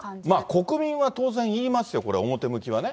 国民は当然、言いますよ、表向きはね。